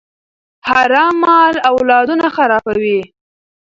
حرام مال اولادونه خرابوي.